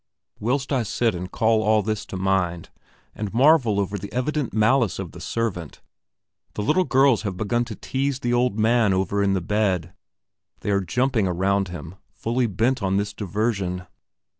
Whilst I sit and call all this to mind, and marvel over the evident malice of the servant, the little girls have begun to tease the old man over in the bed; they are jumping around him, fully bent on this diversion.